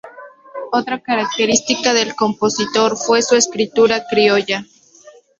Otra característica del compositor fue su escritura criolla.